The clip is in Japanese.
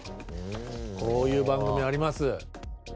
こういう番組あります。